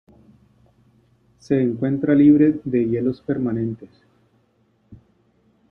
Se encuentra libre de hielos permanentes.